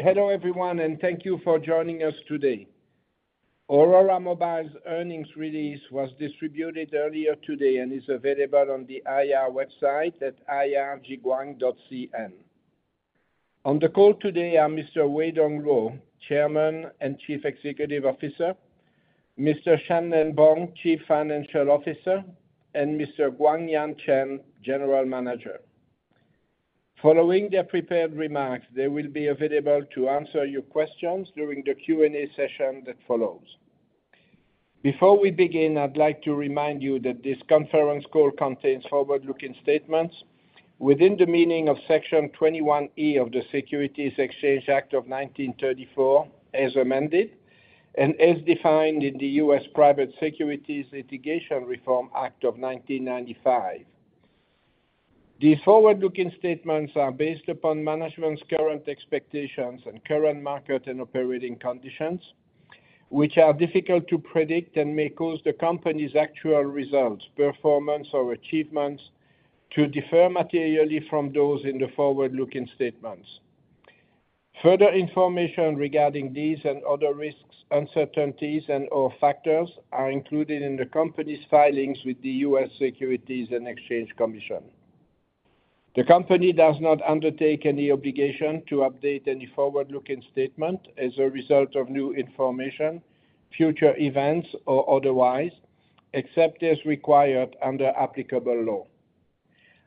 Hello everyone, and thank you for joining us today. Aurora Mobile's earnings release was distributed earlier today and is available on the IR website at irjiguang.cn. On the call today are Mr. Weidong Luo, Chairman and Chief Executive Officer, Mr. Shan-Nen Bong, Chief Financial Officer, and Mr. Guangyan Chen, General Manager. Following their prepared remarks, they will be available to answer your questions during the Q&A session that follows. Before we begin, I'd like to remind you that this conference call contains forward-looking statements within the meaning of Section 21E of the Securities Exchange Act of 1934, as amended, and as defined in the U.S. Private Securities Litigation Reform Act of 1995. These forward-looking statements are based upon management's current expectations and current market and operating conditions, which are difficult to predict and may cause the company's actual results, performance, or achievements to differ materially from those in the forward-looking statements. Further information regarding these and other risks, uncertainties, and/or factors are included in the company's filings with the U.S. Securities and Exchange Commission. The company does not undertake any obligation to update any forward-looking statement as a result of new information, future events, or otherwise, except as required under applicable law.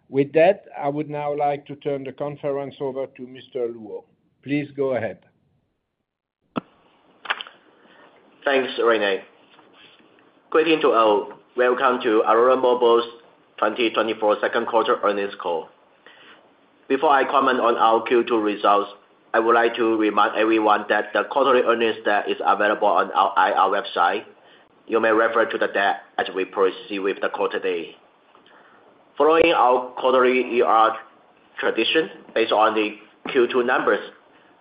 With that, I would now like to turn the conference over to Mr. Luo. Please go ahead. Thanks, René. Greetings to all. Welcome to Aurora Mobile's 2024 Second Quarter Earnings Call. Before I comment on our Q2 results, I would like to remind everyone that the quarterly earnings that is available on our IR website, you may refer to the deck as we proceed with the call today. Following our quarterly ER tradition, based on the Q2 numbers,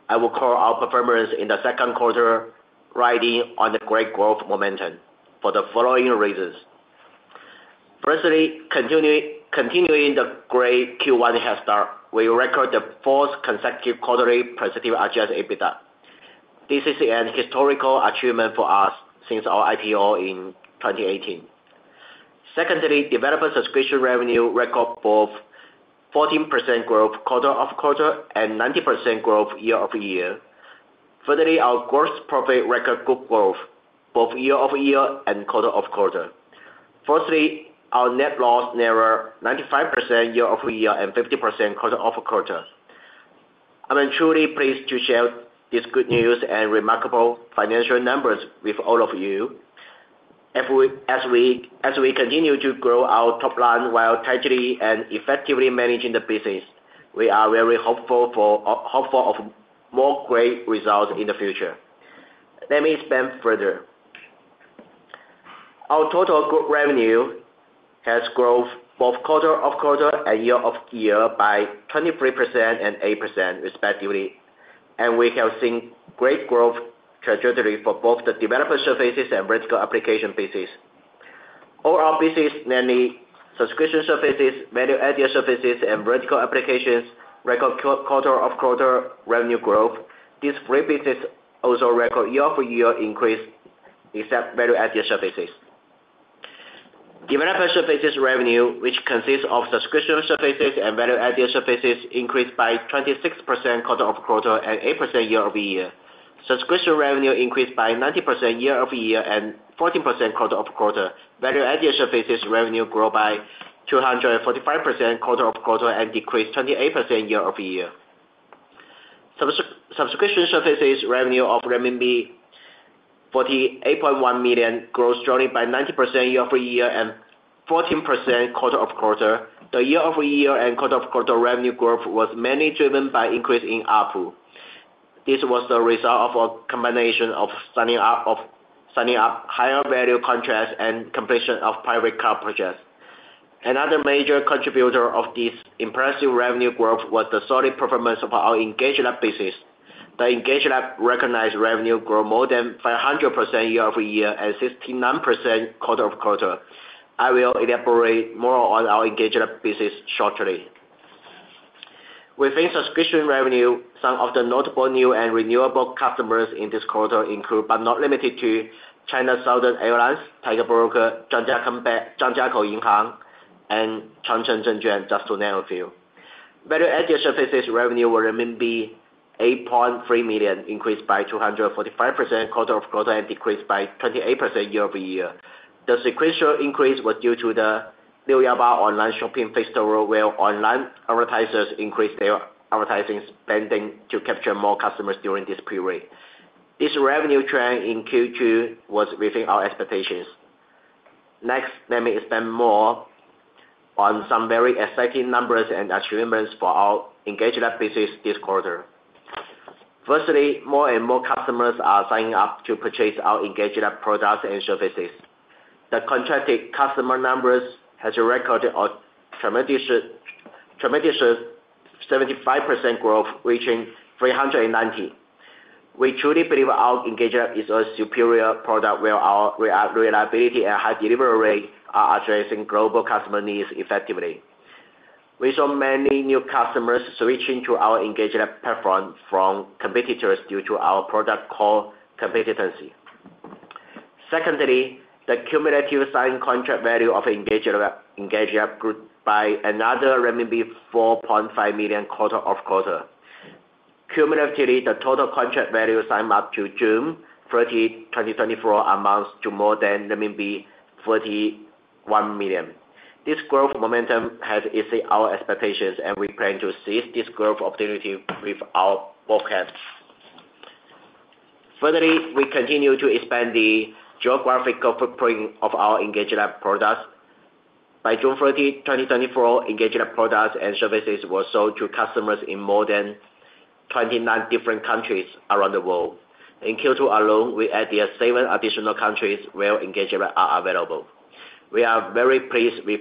I will call our performance in the second quarter, riding on the great growth momentum for the following reasons. Firstly, continuing the great Q1 head start, we record the fourth consecutive quarterly positive Adjusted EBITDA. This is an historical achievement for us since our IPO in 2018. Secondly, developer subscription revenue record both 14% growth quarter-over-quarter and 90% growth year-over-year. Thirdly, our gross profit record good growth, both year-over-year and quarter-over-quarter. Fourthly, our net loss narrowed 95% year-over-year and 50% quarter-over-quarter. I'm truly pleased to share this good news and remarkable financial numbers with all of you. As we continue to grow our top line while tightly and effectively managing the business, we are very hopeful of more great results in the future. Let me expand further. Our total group revenue has grown both quarter-over-quarter and year-over-year by 23% and 8%, respectively, and we have seen great growth trajectory for both the developer services and vertical application business. All our business, mainly subscription services, value-added services, and vertical applications, recorded quarter-over-quarter revenue growth. These three businesses also recorded year-over-year increase, except value-added services. Developer services revenue, which consists of subscription services and value-added services, increased by 26% quarter- over-quarter and 8% year-over-year. Subscription revenue increased by 90% year-over-year and 14% quarter-over-quarter. Value-added services revenue grew by 245% quarter-over-quarter and decreased 28% year-over-year. Subscription services revenue of RMB 48.1 million grew strongly by 90% year-over-year and 14% quarter-over-quarter. The year-over-year and quarter-over-quarter revenue growth was mainly driven by increase in ARPU. This was the result of a combination of signing up higher value contracts and completion of private cloud projects. Another major contributor of this impressive revenue growth was the solid performance of our EngageLab business. The EngageLab recognized revenue grew more than 500% year-over year and 69% quarter-over-quarter. I will elaborate more on our EngageLab business shortly. Within subscription revenue, some of the notable new and renewable customers in this quarter include, but not limited to, China Southern Airlines, Tiger Brokers, Zhangjiagang, Zhangjiakou Bank, and Changchun Zhenjiang, just to name a few. Value-added services revenue were 8.3 million, increased by 245% quarter-over-quarter and decreased by 28% year-over-year. The sequential increase was due to the New Year online shopping festival, where online advertisers increased their advertising spending to capture more customers during this period. This revenue trend in Q2 was within our expectations. Next, let me expand more on some very exciting numbers and achievements for our EngageLab business this quarter. Firstly, more and more customers are signing up to purchase our EngageLab products and services. The contracted customer numbers has recorded a tremendous, tremendous 75% growth, reaching 390. We truly believe our EngageLab is a superior product, where our reliability and high delivery are addressing global customer needs effectively. We saw many new customers switching to our EngageLab platform from competitors due to our product core competency. Secondly, the cumulative signed contract value of EngageLab, EngageLab grew by another RMB 4.5 million quarter-over-quarter. Cumulatively, the total contract value signed up to June 30, 2024, amounts to more than 41 million. This growth momentum has exceeded our expectations, and we plan to seize this growth opportunity with our forecast. Thirdly, we continue to expand the geographical footprint of our EngageLab products. By June 30, 2024, EngageLab products and services were sold to customers in more than 29 different countries around the world. In Q2 alone, we added seven additional countries where EngageLab are available. We are very pleased with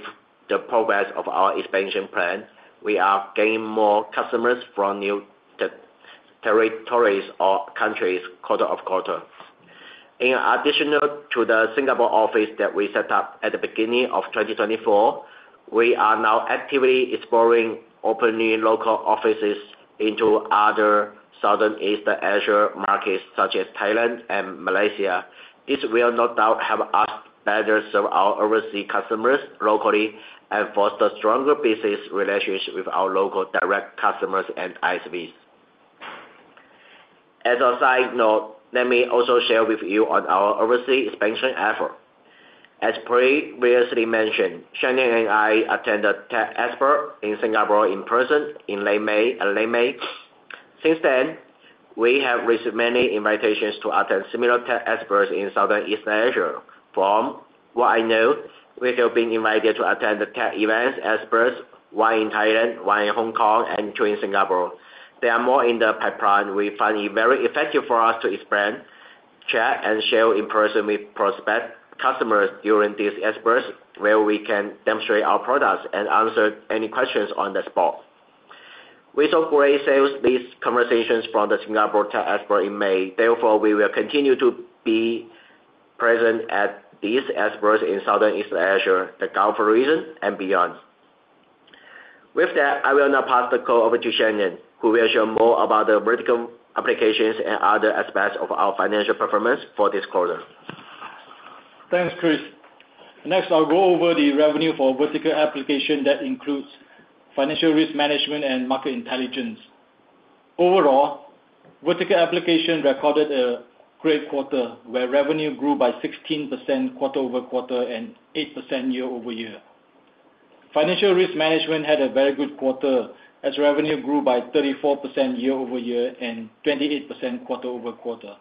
the progress of our expansion plan. We are gaining more customers from new territories or countries quarter-over-quarter. In addition to the Singapore office that we set up at the beginning of 2024, we are now actively exploring opening local offices into other Southeast Asia markets, such as Thailand and Malaysia. This will no doubt help us better serve our overseas customers locally, and foster stronger business relationships with our local direct customers and ISVs. As a side note, let me also share with you on our overseas expansion effort. As previously mentioned, Shan-Nen and I attended Tech in Asia in Singapore in person in late May. Since then, we have received many invitations to attend similar Tech Expos in Southeast Asia. From what I know, we have been invited to attend the tech events Expos, one in Thailand, one in Hong Kong, and two in Singapore. There are more in the pipeline. We find it very effective for us to expand, chat, and share in person with prospective customers during these expos, where we can demonstrate our products and answer any questions on the spot. We saw great sales leads conversations from the Singapore Tech Expo in May. Therefore, we will continue to be present at these expos in Southeast Asia, the Gulf region, and beyond. With that, I will now pass the call over to Shan-Nen, who will share more about the vertical applications and other aspects of our financial performance for this quarter. Thanks, Chris. Next, I'll go over the revenue for vertical application that includes financial risk management and market intelligence. Overall, vertical application recorded a great quarter, where revenue grew by 16% quarter-over-quarter and 8% year-over-year. Financial risk management had a very good quarter, as revenue grew by 34% year-over-year and 28% quarter-over-quarter.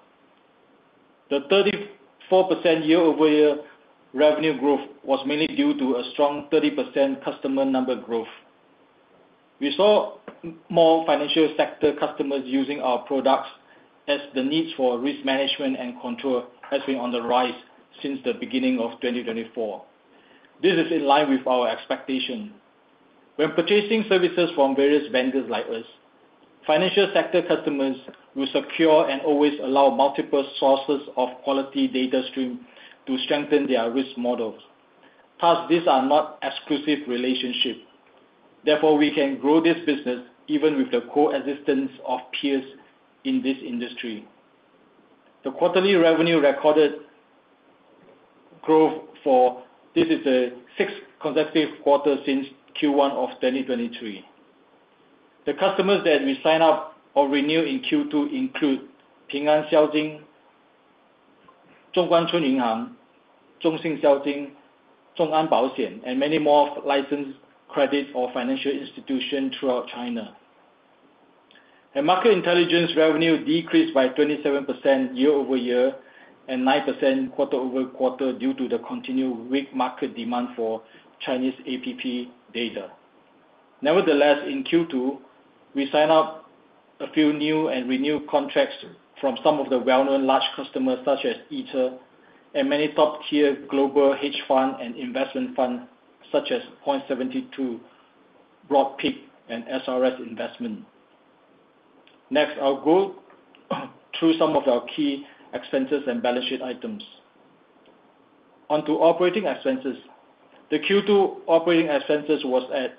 The 34% year-over-year revenue growth was mainly due to a strong 30% customer number growth. We saw more financial sector customers using our products, as the needs for risk management and control has been on the rise since the beginning of 2024. This is in line with our expectation. When purchasing services from various vendors like us, financial sector customers will secure and always allow multiple sources of quality data stream to strengthen their risk models, thus these are not exclusive relationship. Therefore, we can grow this business even with the coexistence of peers in this industry. The quarterly revenue recorded growth. This is the sixth consecutive quarter since Q1 of 2023. The customers that we sign up or renew in Q2 include Ping An Xiaojin, Zhongguancun Yinhang, Zhongxin Xiaojin, Zhongan Baoxian, and many more licensed credit or financial institutions throughout China. Market intelligence revenue decreased by 27% year-over-year and 9% quarter-over-quarter, due to the continued weak market demand for Chinese APP data. Nevertheless, in Q2, we sign up a few new and renewed contracts from some of the well-known large customers, such as ITA and many top-tier global hedge fund and investment funds such as Point72, BroadPeak, and SRS Investment. Next, I'll go through some of our key expenses and balance sheet items. Onto operating expenses. The Q2 operating expenses was at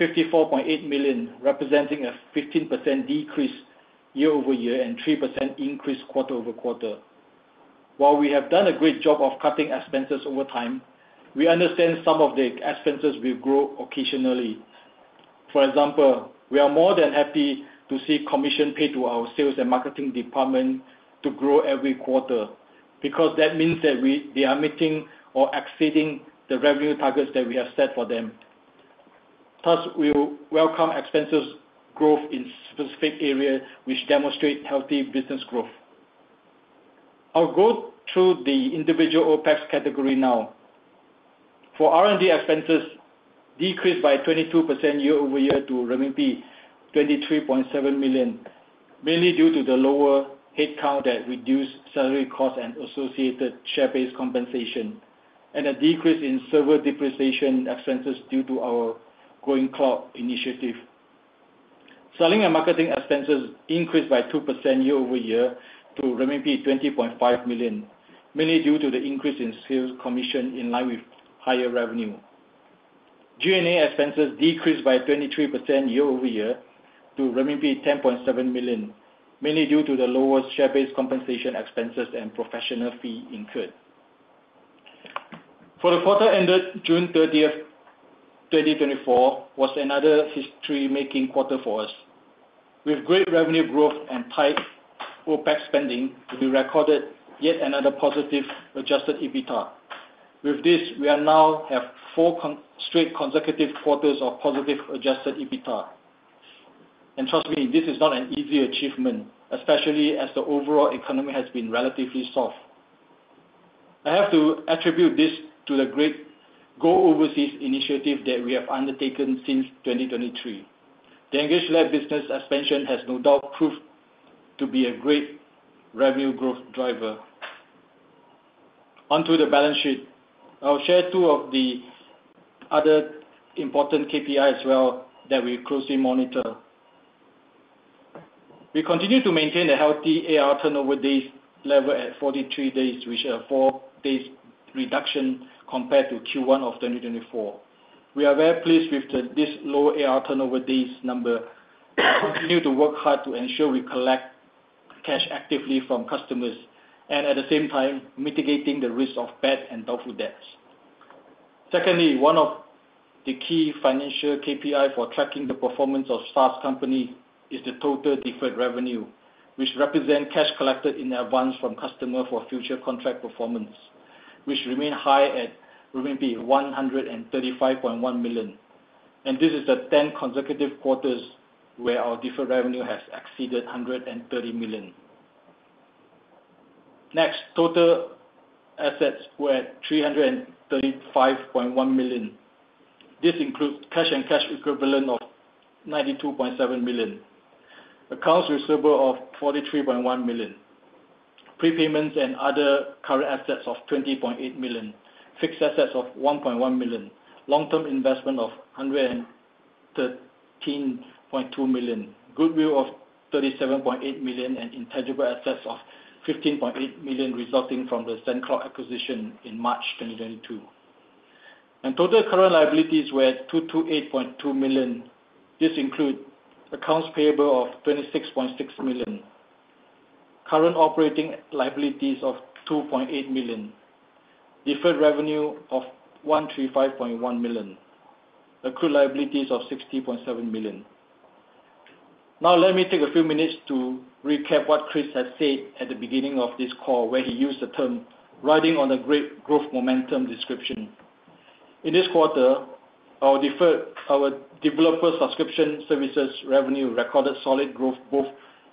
54.8 million, representing a 15% decrease year-over-year and 3% increase quarter-over-quarter. While we have done a great job of cutting expenses over time, we understand some of the expenses will grow occasionally. For example, we are more than happy to see commission paid to our sales and marketing department to grow every quarter, because that means that they are meeting or exceeding the revenue targets that we have set for them. Thus, we will welcome expenses growth in specific area, which demonstrate healthy business growth. I'll go through the individual OpEx category now. For R&D expenses, decreased by 22% year-over-year to renminbi 23.7 million, mainly due to the lower headcount that reduced salary costs and associated share-based compensation, and a decrease in server depreciation expenses due to our growing cloud initiative. Selling and marketing expenses increased by 2% year-over-year to renminbi 20.5 million, mainly due to the increase in sales commission in line with higher revenue. G&A expenses decreased by 23% year-over-year to renminbi 10.7 million, mainly due to the lower share-based compensation expenses and professional fee incurred. For the quarter ended June thirtieth, 2024, was another history-making quarter for us. With great revenue growth and tight OpEx spending, we recorded yet another positive Adjusted EBITDA. With this, we now have four straight consecutive quarters of positive Adjusted EBITDA. Trust me, this is not an easy achievement, especially as the overall economy has been relatively soft. I have to attribute this to the great Go Overseas initiative that we have undertaken since 2023. The EngageLab business expansion has no doubt proved to be a great revenue growth driver. Onto the balance sheet. I'll share two of the other important KPI as well that we closely monitor. We continue to maintain a healthy AR turnover days level at 43 days, which are four days reduction compared to Q1 of 2024. We are very pleased with this low AR turnover days number. We continue to work hard to ensure we collect cash actively from customers, and at the same time, mitigating the risk of bad and doubtful debts. Secondly, one of the key financial KPI for tracking the performance of SaaS company is the total deferred revenue, which represent cash collected in advance from customer for future contract performance, which remain high at RMB 135.1 million. And this is the 10 consecutive quarters where our deferred revenue has exceeded 130 million. Next, total assets were at 335.1 million. This includes cash and cash equivalent of 92.7 million, accounts receivable of 43.1 million, prepayments and other current assets of 20.8 million, fixed assets of 1.1 million, long-term investment of 113.2 million, goodwill of 37.8 million, and intangible assets of 15.8 million, resulting from the SendCloud acquisition in March 2022. Total current liabilities were at 228.2 million. This includes accounts payable of 26.6 million, current operating liabilities of 2.8 million, deferred revenue of 135.1 million, and accrued liabilities of 60.7 million. Now, let me take a few minutes to recap what Chris has said at the beginning of this call, where he used the term "riding on the great growth momentum" description. In this quarter, our developer subscription services revenue recorded solid growth, both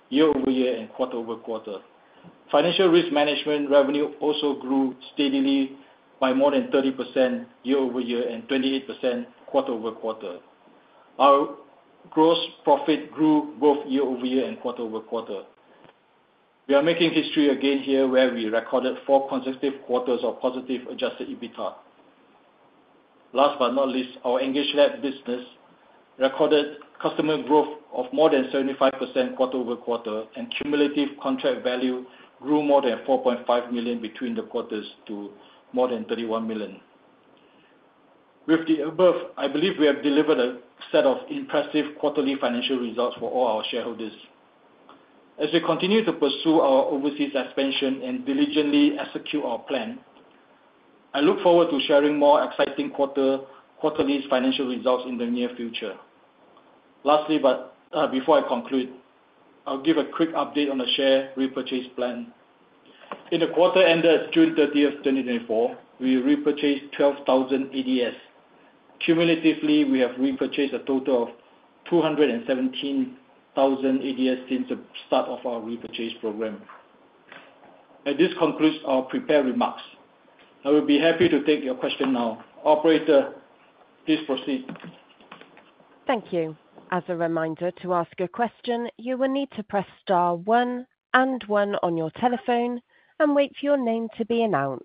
year-over-year and quarter-over-quarter. Financial risk management revenue also grew steadily by more than 30% year-over-year and 28% quarter-over-quarter. Our gross profit grew both year-over-year and quarter-over-quarter. We are making history again here, where we recorded four consecutive quarters of positive Adjusted EBITDA. Last but not least, our EngageLab business recorded customer growth of more than 75% quarter-over-quarter, and cumulative contract value grew more than 4.5 million between the quarters to more than 31 million. With the above, I believe we have delivered a set of impressive quarterly financial results for all our shareholders. As we continue to pursue our overseas expansion and diligently execute our plan, I look forward to sharing more exciting quarterly financial results in the near future. Lastly, but before I conclude, I'll give a quick update on the share repurchase plan. In the quarter ended June 30, 2024, we repurchased 12,000 ADS. Cumulatively, we have repurchased a total of 217,000 ADS since the start of our repurchase program. And this concludes our prepared remarks. I will be happy to take your question now. Operator, please proceed. Thank you. As a reminder, to ask a question, you will need to press star one and one on your telephone and wait for your name to be announced.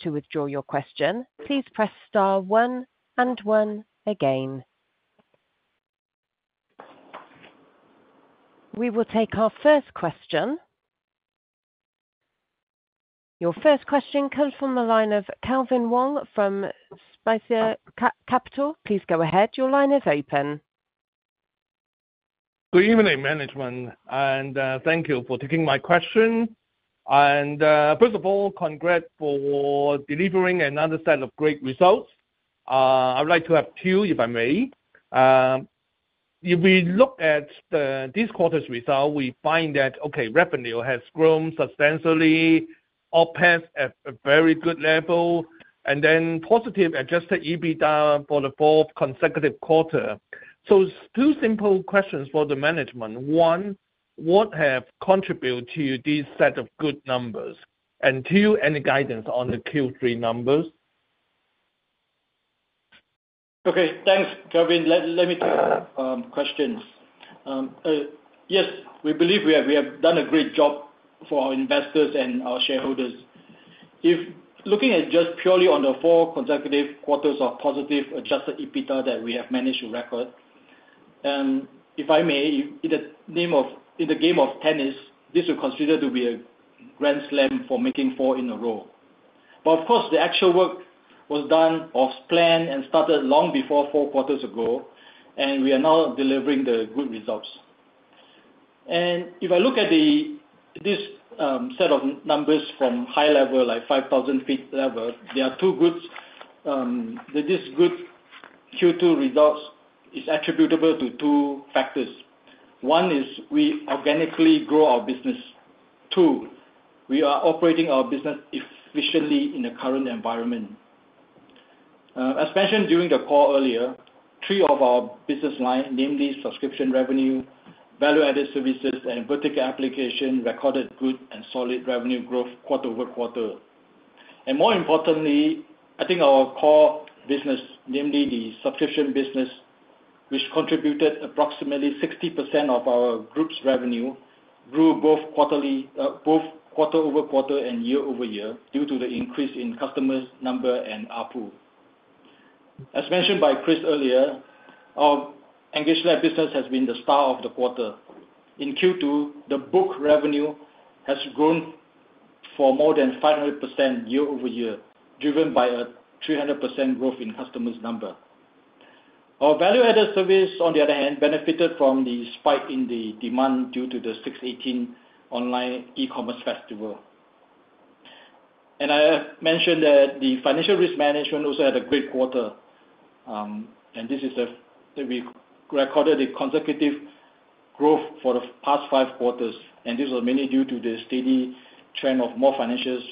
To withdraw your question, please press star one and one again. We will take our first question. Your first question comes from the line of Calvin Wong from Spica Capital. Please go ahead. Your line is open. Good evening, management, and, thank you for taking my question. And, first of all, congrats for delivering another set of great results. I'd like to have two, if I may. If we look at the, this quarter's result, we find that, okay, revenue has grown substantially, OpEx at a very good level, and then positive Adjusted EBITDA for the fourth consecutive quarter. So two simple questions for the management. One, what have contributed to these set of good numbers? And two, any guidance on the Q3 numbers? Okay. Thanks, Calvin. Let me take questions. Yes, we believe we have, we have done a great job for our investors and our shareholders. If looking at just purely on the four consecutive quarters of positive Adjusted EBITDA that we have managed to record, and if I may, in the game of tennis, this would consider to be a grand slam for making four in a row. But of course, the actual work was done or planned and started long before four quarters ago, and we are now delivering the good results. And if I look at the, this set of numbers from high level, like 5,000 ft level, there are two groups that this group Q2 results is attributable to two factors. One is we organically grow our business. Two, we are operating our business efficiently in the current environment. As mentioned during the call earlier, three of our business line, namely subscription revenue, value-added services, and vertical application, recorded good and solid revenue growth quarter-over-quarter, and more importantly, I think our core business, namely the subscription business, which contributed approximately 60% of our group's revenue, grew both quarterly, both quarter over quarter and year over year, due to the increase in customers number and ARPU. As mentioned by Chris earlier, our EngageLab business has been the star of the quarter. In Q2, the book revenue has grown for more than 500% year-over-year, driven by a 300% growth in customers number. Our value-added service, on the other hand, benefited from the spike in the demand due to the 618 online e-commerce festival. I have mentioned that the financial risk management also had a great quarter, and we recorded a consecutive growth for the past five quarters. This was mainly due to the steady trend of more financials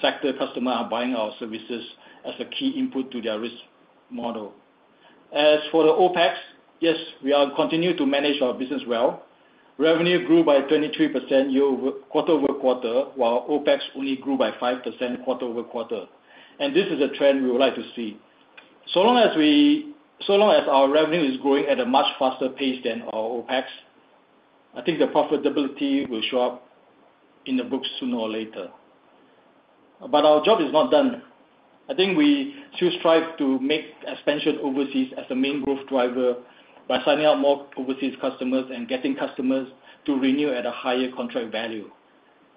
sector customer are buying our services as a key input to their risk model. As for the OpEx, yes, we are continuing to manage our business well. Revenue grew by 23% year-over, quarter-over-quarter, while OpEx only grew by 5% quarter-over-quarter. And this is a trend we would like to see. So long as our revenue is growing at a much faster pace than our OpEx, I think the profitability will show up in the books sooner or later. But our job is not done. I think we still strive to make expansion overseas as a main growth driver by signing up more overseas customers and getting customers to renew at a higher contract value.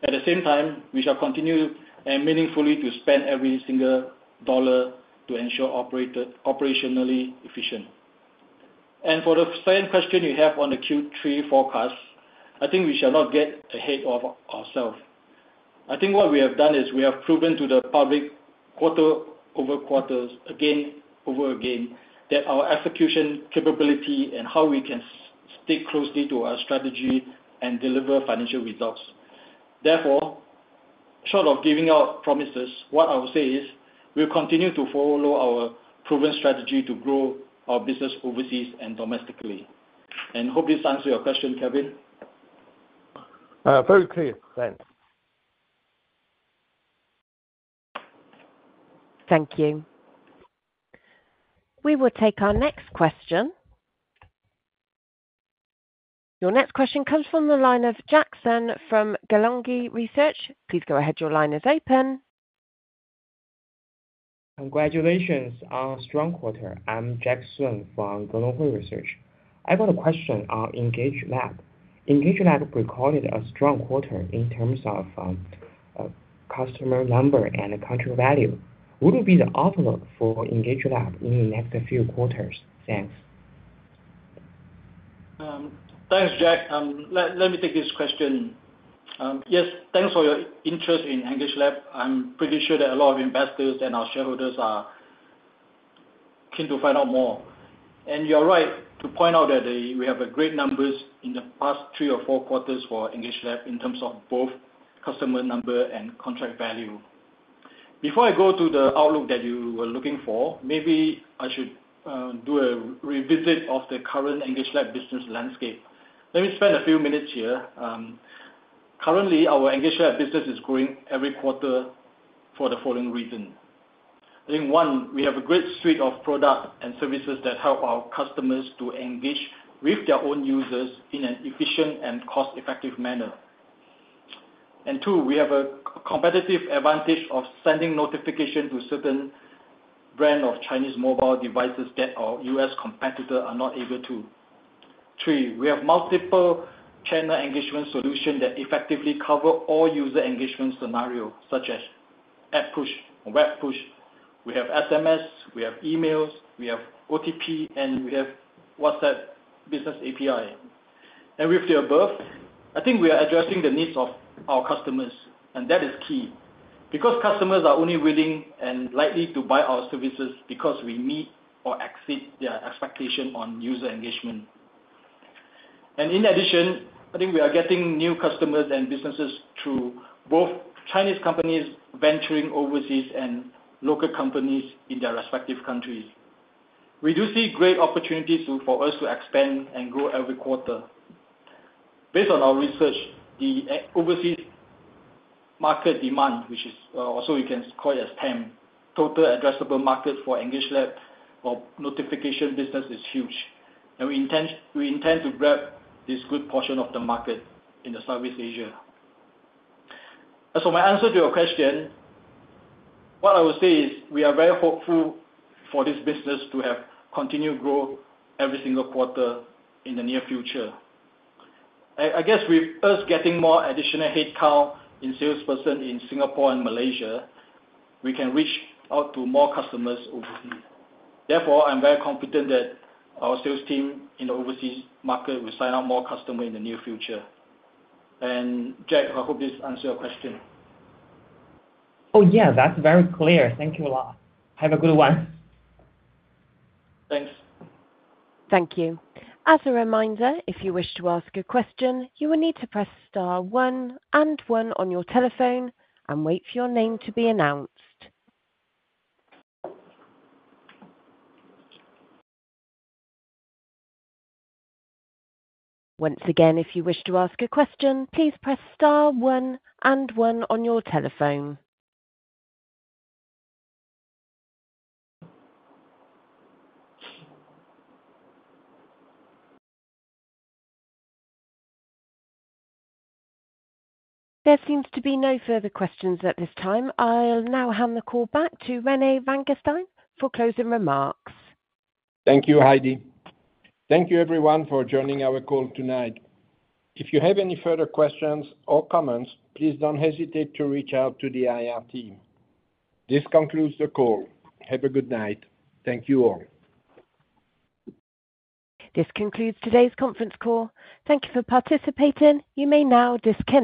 At the same time, we shall continue and meaningfully to spend every single dollar to ensure operationally efficient. And for the second question you have on the Q3 forecast, I think we shall not get ahead of ourselves. I think what we have done is, we have proven to the public, quarter over quarters, again, over again, that our execution capability and how we can stick closely to our strategy and deliver financial results. Therefore, short of giving out promises, what I will say is, we'll continue to follow our proven strategy to grow our business overseas and domestically. And hope this answer your question, Calvin? Very clear. Thanks. Thank you. We will take our next question. Your next question comes from the line of Jackson from Gelonghui Research. Please go ahead. Your line is open. Congratulations on strong quarter. I'm Jackson from Gelonghui Research. I've got a question on EngageLab. EngageLab recorded a strong quarter in terms of customer number and contract value. What would be the outlook for EngageLab in the next few quarters? Thanks. Thanks, Jack. Let me take this question. Yes, thanks for your interest in EngageLab. I'm pretty sure that a lot of investors and our shareholders are keen to find out more. And you are right to point out that we have great numbers in the past three or four quarters for EngageLab, in terms of both customer number and contract value. Before I go to the outlook that you were looking for, maybe I should do a revisit of the current EngageLab business landscape. Let me spend a few minutes here. Currently, our EngageLab business is growing every quarter for the following reason. I think, one, we have a great suite of products and services that help our customers to engage with their own users in an efficient and cost-effective manner. And two, we have a competitive advantage of sending notification to certain brand of Chinese mobile devices that our U.S. competitor are not able to. Three, we have multiple channel engagement solution that effectively cover all user engagement scenario, such as app push, web push, we have SMS, we have emails, we have OTP, and we have WhatsApp Business API. And with the above, I think we are addressing the needs of our customers, and that is key. Because customers are only willing and likely to buy our services because we meet or exceed their expectation on user engagement. And in addition, I think we are getting new customers and businesses through both Chinese companies venturing overseas and local companies in their respective countries. We do see great opportunities to, for us to expand and grow every quarter. Based on our research, the overseas market demand, which is also you can call it a TAM, Total Addressable Market for EngageLab or notification business, is huge, and we intend to grab this good portion of the market in Southeast Asia. And so my answer to your question, what I would say is, we are very hopeful for this business to have continued growth every single quarter in the near future. I guess with us getting more additional headcount in salesperson in Singapore and Malaysia, we can reach out to more customers overseas. Therefore, I'm very confident that our sales team in the overseas market will sign up more customer in the near future. And Jack, I hope this answer your question. Oh, yeah, that's very clear. Thank you a lot. Have a good one. Thanks. Thank you. As a reminder, if you wish to ask a question, you will need to press star one and one on your telephone and wait for your name to be announced. Once again, if you wish to ask a question, please press star one and one on your telephone. There seems to be no further questions at this time. I'll now hand the call back to Rene Vanguestaine for closing remarks. Thank you, Heidi. Thank you everyone for joining our call tonight. If you have any further questions or comments, please don't hesitate to reach out to the IR team. This concludes the call. Have a good night. Thank you, all. This concludes today's conference call. Thank you for participating. You may now disconnect.